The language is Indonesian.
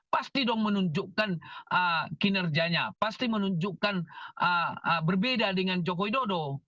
pasti dong menunjukkan kinerjanya pasti menunjukkan berbeda dengan joko widodo